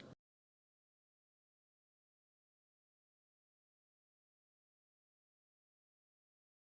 listen thisham ikon i miejsca ngeri anak hongan kita ini dulu dependent gave you the phone machine